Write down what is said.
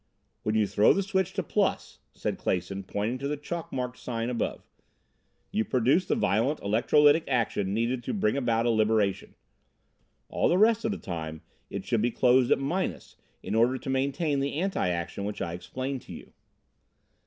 "When you throw the switch to plus," said Clason, pointing to the chalk marked sign above, "you produce the violent electrolytic action needed to bring about a liberation. All the rest of the time it should be closed at minus, in order to maintain the anti action which I explained to you.